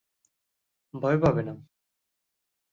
ভয় পাবে না।